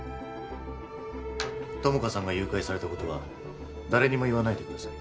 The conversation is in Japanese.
友果さんが誘拐されたことは誰にも言わないでください